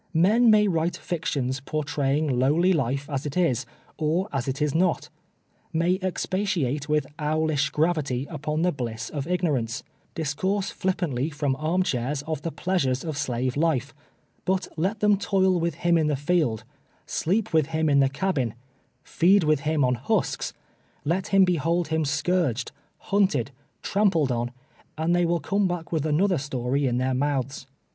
!Men may write fictions portraying lowly life as it is, or as it is not — may expatiate with oM'lish gravity upon the bliss of ignorance — discourse flip pantly from arm chairs of the pleasures of slave life ; but let them toil with him in the field — sleep with him in the caljin — feed with him on husks; let them behold him scourged, hunted, trampled on, and they will come back witli another story in their mouths.